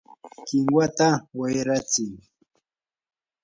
¡kinwata wayratsiy!